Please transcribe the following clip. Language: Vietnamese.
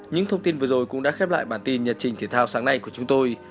những thông tin vừa rồi cũng đã khép lại bản tin nhật trình thể thao sáng nay của chúng tôi